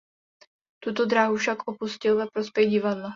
Tuto dráhu však opustil ve prospěch divadla.